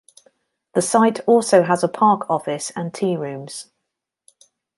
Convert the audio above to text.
The site also has a park office and tearooms.